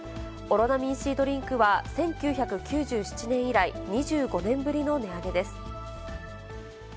オロナミンＣドリンクは１９９７年以来、２５年ぶりの値上げです。